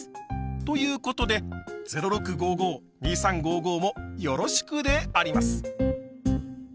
ということで「０６５５」「２３５５」もよろしくであります！